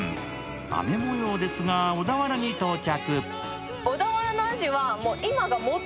雨もようですが、小田原に到着。